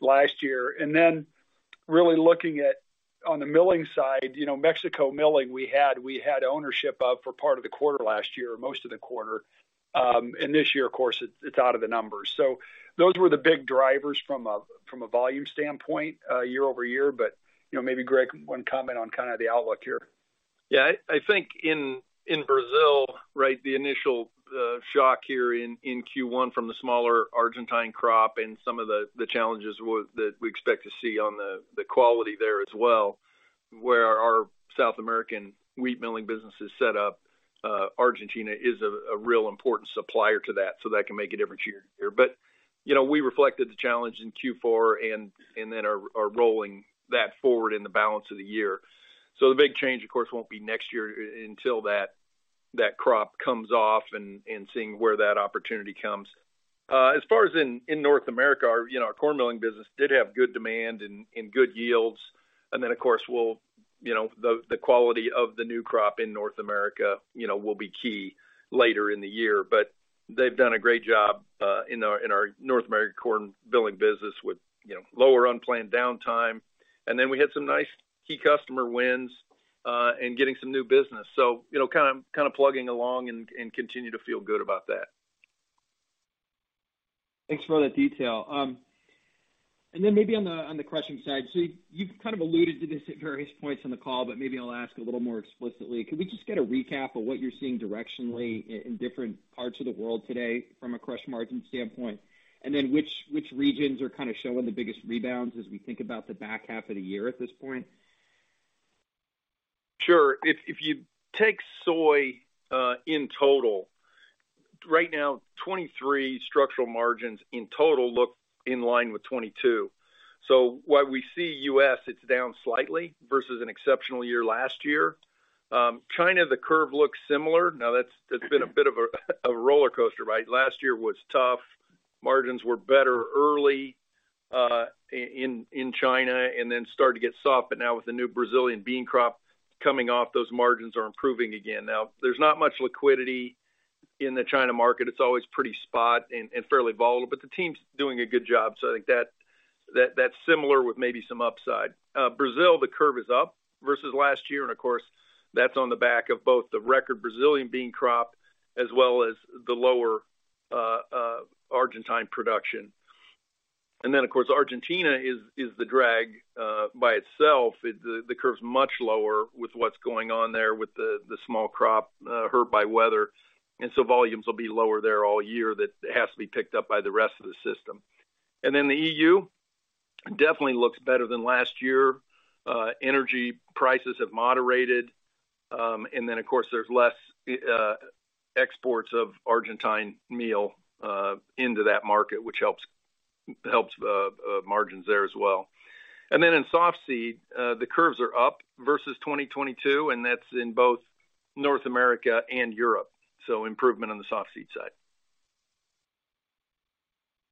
last year. Really looking at on the milling side, you know, Mexico milling, we had ownership of for part of the quarter last year, most of the quarter. This year, of course, it's out of the numbers. Those were the big drivers from a volume standpoint, year-over-year. You know, maybe Greg want to comment on kind of the outlook here. I think in Brazil, right, the initial shock here in Q1 from the smaller Argentine crop and some of the challenges that we expect to see on the quality there as well, where our South American wheat milling business is set up, Argentina is a real important supplier to that, so that can make a difference year to year. You know, we reflected the challenge in Q4 and then are rolling that forward in the balance of the year. The big change, of course, won't be next year until that crop comes off and seeing where that opportunity comes. As far as in North America, our, you know, our corn milling business did have good demand and good yields. Then, of course, we'll, you know, the quality of the new crop in North America, you know, will be key later in the year. They've done a great job in our North American corn milling business with, you know, lower unplanned downtime. Then we had some nice key customer wins and getting some new business. You know, kind of plugging along and continue to feel good about that. Thanks for all that detail. Then maybe on the, on the crushing side. You've kind of alluded to this at various points on the call, but maybe I'll ask a little more explicitly. Can we just get a recap of what you're seeing directionally in different parts of the world today from a crush margin standpoint? Then which regions are kind of showing the biggest rebounds as we think about the back half of the year at this point? Sure. If you take soy in total, right now, 23 structural margins in total look in line with 22. What we see U.S., it's down slightly versus an exceptional year last year. China, the curve looks similar. That's been a bit of a rollercoaster, right? Last year was tough. Margins were better early in China and then started to get soft. Now with the new Brazilian bean crop coming off, those margins are improving again. There's not much liquidity in the China market. It's always pretty spot and fairly volatile, but the team's doing a good job. I think that's similar with maybe some upside. Brazil, the curve is up versus last year. Of course, that's on the back of both the record Brazilian bean crop as well as the lower Argentine production. Of course, Argentina is the drag by itself. The curve's much lower with what's going on there with the small crop hurt by weather. Volumes will be lower there all year. That has to be picked up by the rest of the system. The EU definitely looks better than last year. Energy prices have moderated. Of course, there's less exports of Argentine meal into that market, which helps margins there as well. In soft seed, the curves are up versus 2022, and that's in both North America and Europe. Improvement on the soft seed side.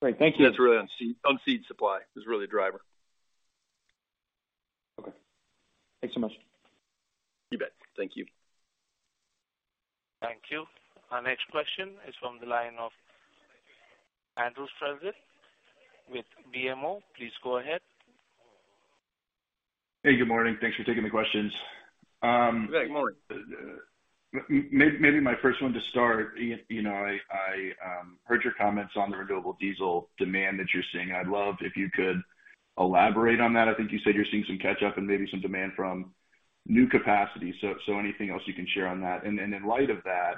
Great. Thank you. That's really on seed, on seed supply is really a driver. Okay. Thanks so much. You bet. Thank you. Thank you. Our next question is from the line of Andrew Strelzik with BMO. Please go ahead. Hey, good morning. Thanks for taking the questions. Good morning. maybe my first one to start, Ian, you know, I heard your comments on the renewable diesel demand that you're seeing. I'd love if you could elaborate on that. I think you said you're seeing some catch up and maybe some demand from new capacity. Anything else you can share on that. In light of that,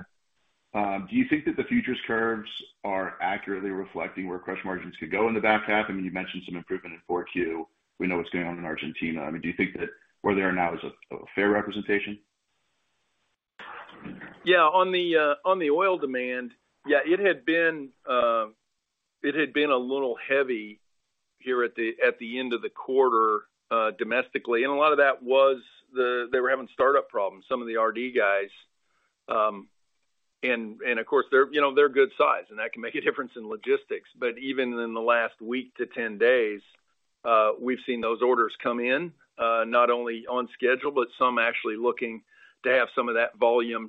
do you think that the futures curves are accurately reflecting where crush margins could go in the back half? I mean, you mentioned some improvement in 4Q. We know what's going on in Argentina. I mean, do you think that where they are now is a fair representation? Yeah. On the, on the oil demand, yeah, it had been, it had been a little heavy here at the, at the end of the quarter, domestically. A lot of that was they were having startup problems, some of the RD guys. Of course, they're, you know, they're good size, and that can make a difference in logistics. Even in the last week to 10 days, we've seen those orders come in, not only on schedule, but some actually looking to have some of that volume,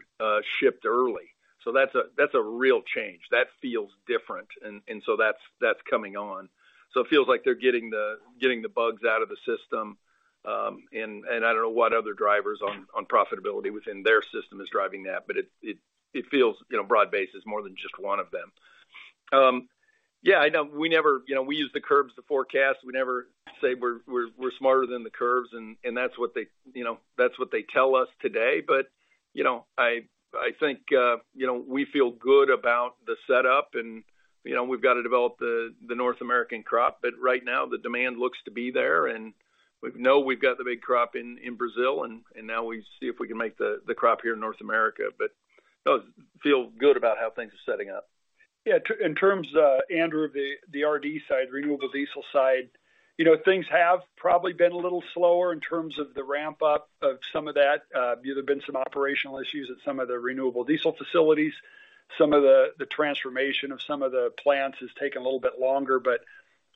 shipped early. That's a, that's a real change. That feels different. That's, that's coming on. It feels like they're getting the, getting the bugs out of the system. I don't know what other drivers on profitability within their system is driving that, but it, it feels, you know, broad-based. It's more than just one of them. I know we never You know, we use the curves to forecast. We never say we're smarter than the curves. That's what they, you know, that's what they tell us today. You know, I think, you know, we feel good about the setup and, you know, we've got to develop the North American crop. Right now the demand looks to be there and we know we've got the big crop in Brazil and now we see if we can make the crop here in North America. Feel good about how things are setting up. Yeah. In terms, Andrew, the RD side, renewable diesel side, you know, things have probably been a little slower in terms of the ramp up of some of that. There have been some operational issues at some of the renewable diesel facilities. Some of the transformation of some of the plants has taken a little bit longer.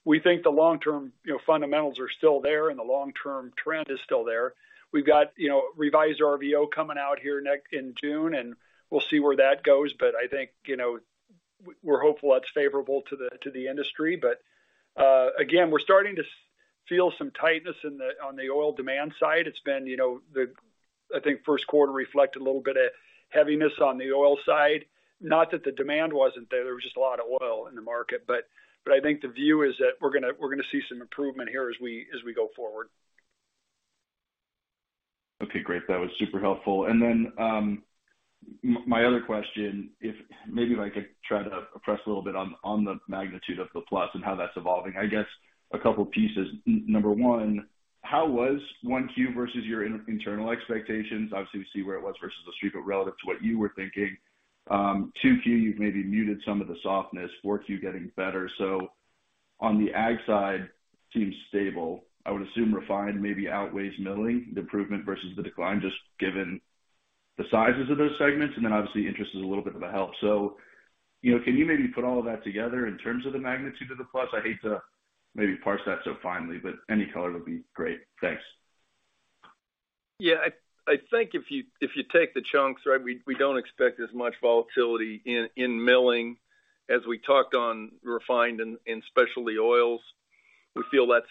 We think the long-term, you know, fundamentals are still there and the long-term trend is still there. We've got, you know, revised RVO coming out here next in June, we'll see where that goes. I think, you know, we're hopeful that's favorable to the industry. Again, we're starting to feel some tightness on the oil demand side. It's been, you know, I think first quarter reflected a little bit of heaviness on the oil side. Not that the demand wasn't there was just a lot of oil in the market. I think the view is that we're gonna see some improvement here as we go forward. Okay, great. That was super helpful. My other question, if maybe if I could try to press a little bit on the magnitude of the plus and how that's evolving. I guess a couple pieces. Number one, how was 1 Q versus your internal expectations? Obviously, we see where it was versus the street, but relative to what you were thinking. 2 Q, you've maybe muted some of the softness, 4 Q getting better. On the ag side seems stable. I would assume refined maybe outweighs milling, the improvement versus the decline, just given the sizes of those segments. Obviously interest is a little bit of a help. You know, can you maybe put all of that together in terms of the magnitude of the plus? I'd hate to maybe parse that so finely, but any color would be great. Thanks. I think if you take the chunks, right, we don't expect as much volatility in milling. As we talked on refined and specialty oils, we feel that's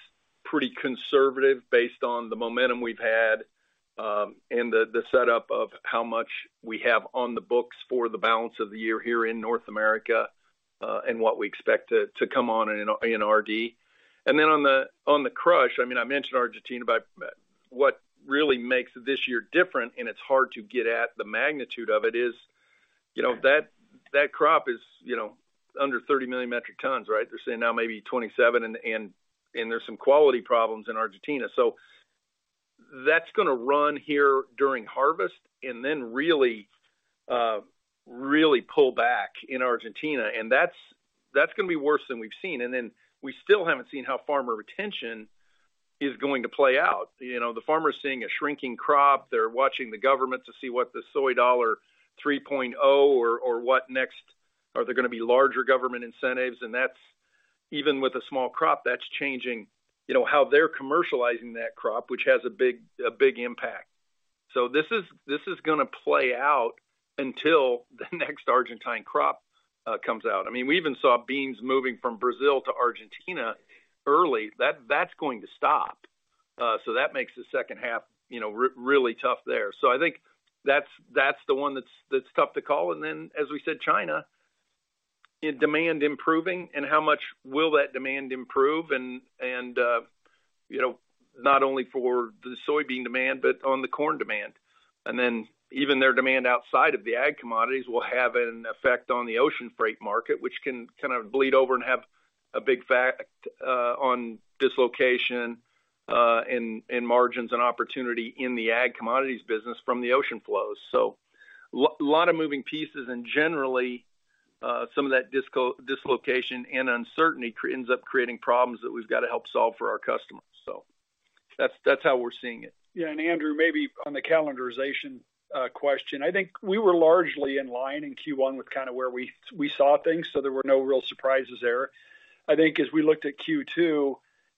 pretty conservative based on the momentum we've had, and the setup of how much we have on the books for the balance of the year here in North America, and what we expect to come on in RD. On the crush, I mean, I mentioned Argentina, but what really makes this year different, and it's hard to get at the magnitude of it, is. You know, that crop is, you know, under 30 million metric tons, right? They're saying now maybe 27 and there's some quality problems in Argentina. That's gonna run here during harvest and then really pull back in Argentina. That's gonna be worse than we've seen. We still haven't seen how farmer retention is going to play out. You know, the farmer is seeing a shrinking crop. They're watching the government to see what the Soy Dollar 3.0 or what next. Are there gonna be larger government incentives? That's even with a small crop that's changing, you know, how they're commercializing that crop, which has a big impact. This is gonna play out until the next Argentine crop comes out. I mean, we even saw beans moving from Brazil to Argentina early. That's going to stop. That makes the second half, you know, really tough there. I think that's the one that's tough to call. As we said, China, demand improving and how much will that demand improve, you know, not only for the soybean demand, but on the corn demand? Even their demand outside of the ag commodities will have an effect on the ocean freight market, which can kind of bleed over and have a big fact on dislocation in margins and opportunity in the ag commodities business from the ocean flows. Lot of moving pieces. Generally, some of that dislocation and uncertainty ends up creating problems that we've got to help solve for our customers. That's, that's how we're seeing it. Yeah. Andrew, maybe on the calendarization question. I think we were largely in line in Q1 with kind of where we saw things, so there were no real surprises there. I think as we looked at Q2,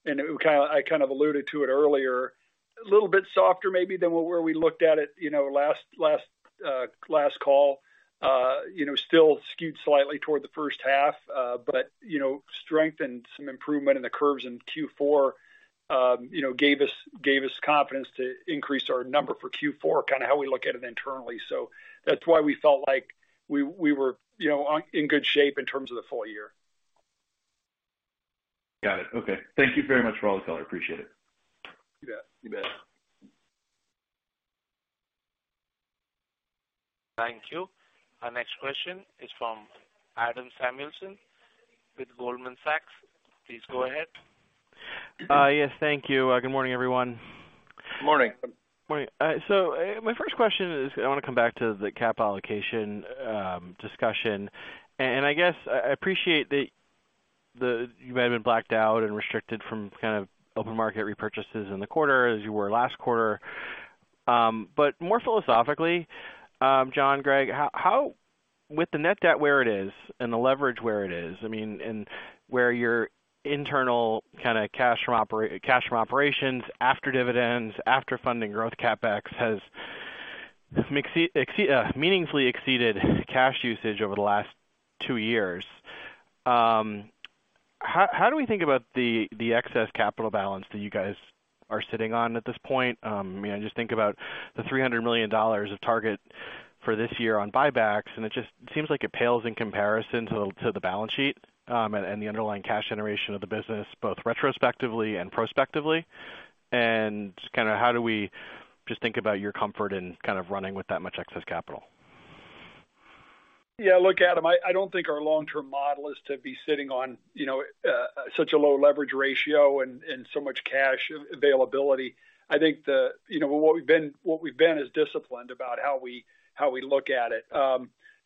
I kind of alluded to it earlier, a little bit softer maybe than where we looked at it, you know, last call. You know, still skewed slightly toward the first half, but, you know, strength and some improvement in the curves in Q4, you know, gave us confidence to increase our number for Q4, kind of how we look at it internally. That's why we felt like we were, you know, in good shape in terms of the full year. Got it. Okay. Thank you very much for all the color. Appreciate it. You bet. You bet. Thank you. Our next question is from Adam Samuelson with Goldman Sachs. Please go ahead. Yes, thank you. Good morning, everyone. Morning. Morning. My first question is, I wanna come back to the cap allocation discussion. I guess I appreciate that you might have been blacked out and restricted from kind of open market repurchases in the quarter as you were last quarter. More philosophically, John, Greg, how with the net debt where it is and the leverage where it is, I mean, and where your internal kind of cash from operations after dividends, after funding growth CapEx has meaningfully exceeded cash usage over the last 2 years. How do we think about the excess capital balance that you guys are sitting on at this point? I just think about the $300 million of target for this year on buybacks, and it just seems like it pales in comparison to the balance sheet, and the underlying cash generation of the business, both retrospectively and prospectively. How do we just think about your comfort in kind of running with that much excess capital? Yeah. Look, Adam, I don't think our long-term model is to be sitting on, you know, such a low leverage ratio and so much cash availability. I think. You know, what we've been is disciplined about how we look at it.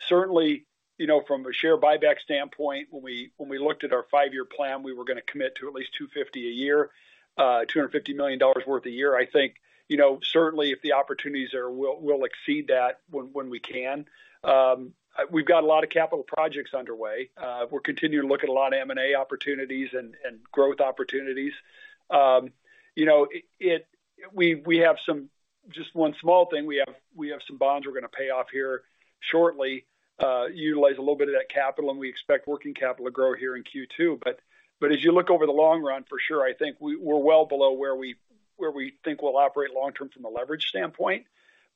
Certainly, you know, from a share buyback standpoint, when we looked at our five-year plan, we were gonna commit to at least $250 a year, $250 million worth a year. I think, you know, certainly if the opportunities are, we'll exceed that when we can. We've got a lot of capital projects underway. We're continuing to look at a lot of M&A opportunities and growth opportunities. You know, it. We have some. Just one small thing. We have some bonds we're gonna pay off here shortly, utilize a little bit of that capital, and we expect working capital to grow here in Q2. As you look over the long run, for sure, I think we're well below where we, where we think we'll operate long-term from a leverage standpoint.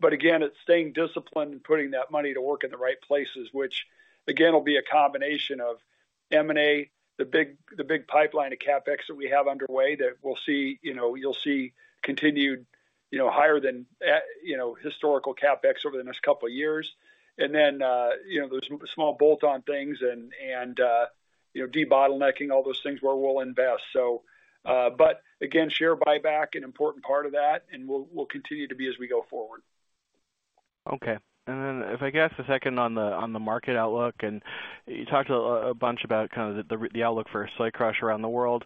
Again, it's staying disciplined and putting that money to work in the right places, which again, will be a combination of M&A, the big pipeline of CapEx that we have underway that we'll see, you know, you'll see continued, you know, higher than, you know, historical CapEx over the next couple of years. You know, those small bolt-on things and, you know, debottlenecking all those things where we'll invest. But again, share buyback an important part of that, and will continue to be as we go forward. Okay. If I could ask a second on the market outlook, you talked a bunch about kind of the outlook for soy crush around the world.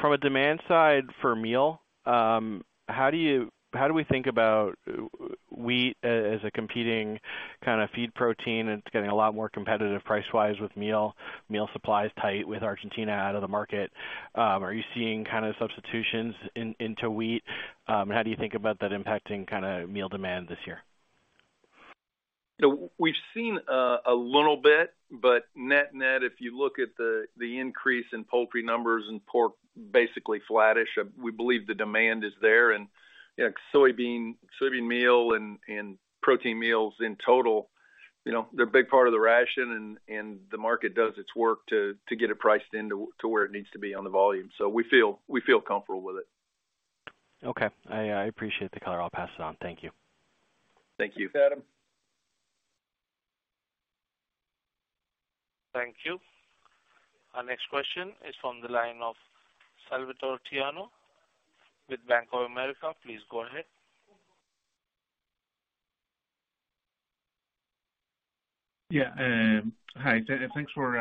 From a demand side for meal, how do we think about wheat as a competing kind of feed protein? It's getting a lot more competitive price-wise with meal. Meal supply is tight with Argentina out of the market. Are you seeing kind of substitutions into wheat? How do you think about that impacting kind of meal demand this year? We've seen a little bit, but net-net, if you look at the increase in poultry numbers and pork basically flattish, we believe the demand is there. You know, soybean meal and protein meals in total, you know, they're a big part of the ration and the market does its work to get it priced into where it needs to be on the volume. We feel comfortable with it. Okay. I appreciate the color. I'll pass it on. Thank you. Thank you. Adam. Thank you. Our next question is from the line of Salvatore Tiano with Bank of America. Please go ahead. Yeah. Hi, thanks for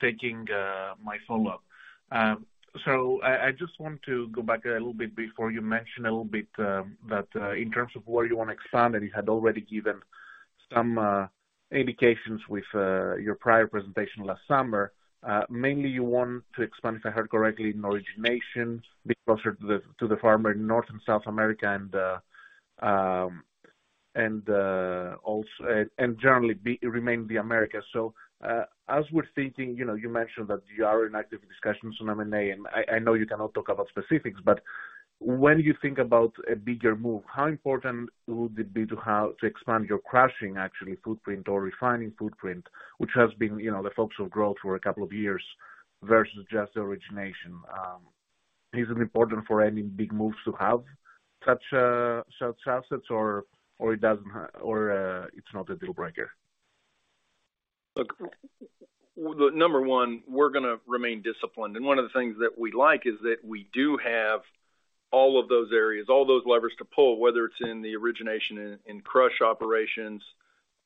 taking my follow-up. I just want to go back a little bit before you mention a little bit that in terms of where you wanna expand, and you had already given some indications with your prior presentation last summer. You want to expand, if I heard correctly, in origination, be closer to the farmer in North and South America and also and generally remain the Americas. As we're thinking, you know, you mentioned that you are in active discussions on M&A, I know you cannot talk about specifics. When you think about a bigger move, how important would it be to have to expand your crushing actually footprint or refining footprint, which has been, you know, the focus of growth for a couple of years versus just origination? Is it important for any big moves to have such assets or it's not a deal breaker? Look, the number one, we're gonna remain disciplined. One of the things that we like is that we do have all of those areas, all those levers to pull, whether it's in the origination and crush operations,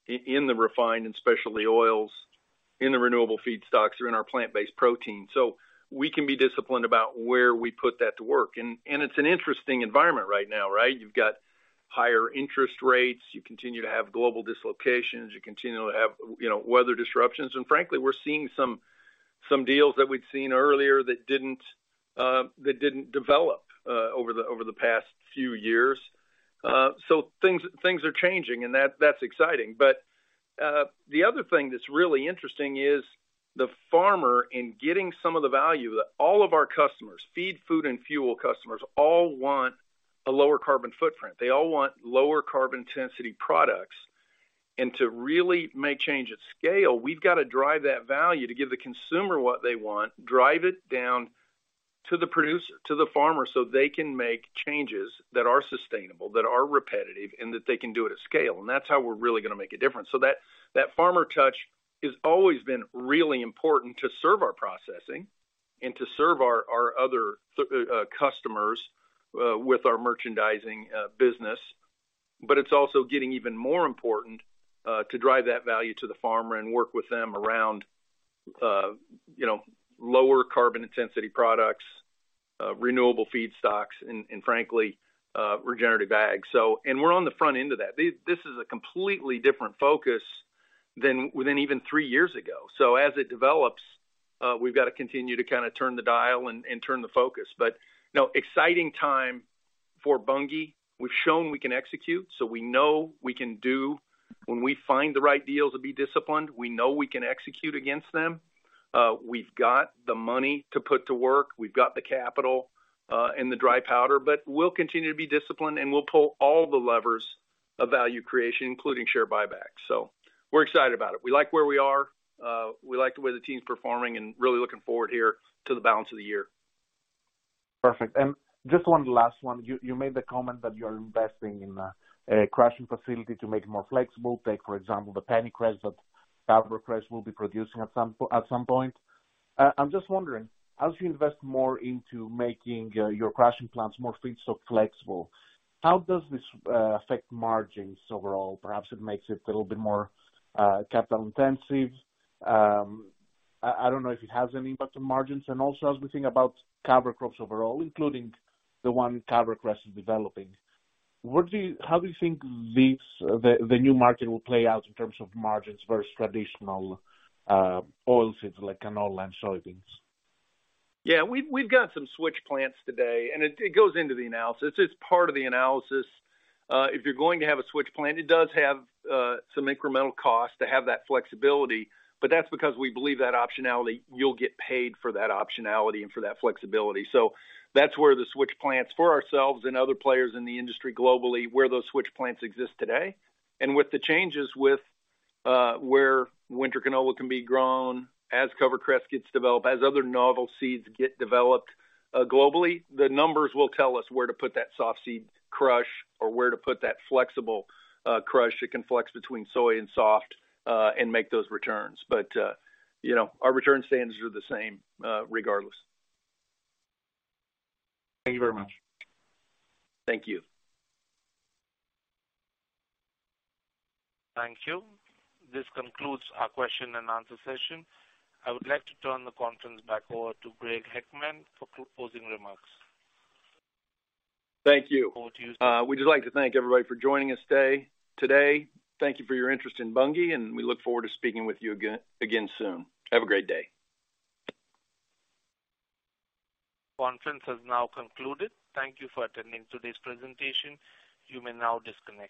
in the refined and specialty oils, in the renewable feedstocks or in our plant-based protein. We can be disciplined about where we put that to work. It's an interesting environment right now, right? You've got higher interest rates. You continue to have global dislocations. You continue to have, you know, weather disruptions. Frankly, we're seeing some deals that we'd seen earlier that didn't develop over the past few years. Things are changing, and that's exciting. The other thing that's really interesting is the farmer in getting some of the value that all of our customers, feed, food, and fuel customers all want a lower carbon footprint. They all want lower carbon intensity products. To really make change at scale, we've got to drive that value to give the consumer what they want, drive it down to the producer, to the farmer, so they can make changes that are sustainable, that are repetitive, and that they can do it at scale. That's how we're really gonna make a difference. That farmer touch has always been really important to serve our processing and to serve our other customers with our merchandising business. It's also getting even more important to drive that value to the farmer and work with them around, you know, lower carbon intensity products, renewable feedstocks and frankly, regenerative ag. We're on the front end of that. This is a completely different focus than within even 3 years ago. As it develops, we've got to continue to kinda turn the dial and turn the focus. No exciting time for Bunge. We've shown we can execute, so we know we can do when we find the right deals to be disciplined. We know we can execute against them. We've got the money to put to work. We've got the capital and the dry powder. We'll continue to be disciplined, and we'll pull all the levers of value creation, including share buybacks. We're excited about it. We like where we are. We like the way the team's performing and really looking forward here to the balance of the year. Perfect. Just one last one. You made the comment that you're investing in a crushing facility to make it more flexible. Take, for example, the pennycress that CoverCress will be producing at some point. I'm just wondering, as you invest more into making your crushing plants more feedstock flexible, how does this affect margins overall? Perhaps it makes it a little bit more capital intensive. I don't know if it has any impact on margins. Also, as we think about CoverCress overall, including the one CoverCress is developing, how do you think this the new market will play out in terms of margins versus traditional oilseeds like canola and soybeans? Yeah. We've got some switch plants today, and it goes into the analysis. It's part of the analysis. If you're going to have a switch plant, it does have some incremental costs to have that flexibility. That's because we believe that optionality, you'll get paid for that optionality and for that flexibility. That's where the switch plants for ourselves and other players in the industry globally, where those switch plants exist today. With the changes with where winter canola can be grown, as CoverCress gets developed, as other novel seeds get developed, globally, the numbers will tell us where to put that soft seed crush or where to put that flexible crush. It can flex between soy and soft and make those returns. You know, our return standards are the same regardless. Thank you very much. Thank you. Thank you. This concludes our question and answer session. I would like to turn the conference back over to Greg Heckman for closing remarks. Thank you. We'd just like to thank everybody for joining us today. Thank you for your interest in Bunge, and we look forward to speaking with you again soon. Have a great day. Conference has now concluded. Thank you for attending today's presentation. You may now disconnect.